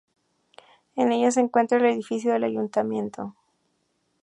En ella se encuentra el edificio del Ayuntamiento.